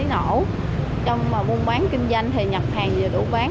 cháy nổ trong muôn bán kinh doanh thì nhập hàng và đủ bán